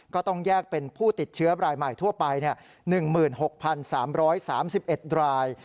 ก็ต้องแยกเป็นผู้ติดเชื้อรายใหม่ทั่วไป๑๖๓๓๑ราย